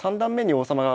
王様が。